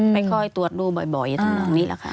ไปค่อยตรวจรูปบ่อยอยู่ตรงตรงนี้แหละค่ะ